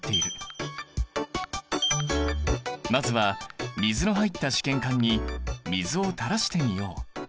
まずは水の入った試験管に水をたらしてみよう。